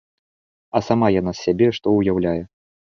А сама яна з сябе што ўяўляе?